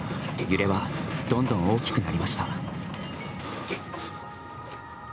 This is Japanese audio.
揺れはどんどん大きくなりました。